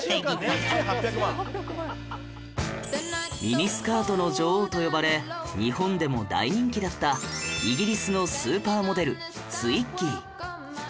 ミニスカートの女王と呼ばれ日本でも大人気だったイギリスのスーパーモデルツイッギー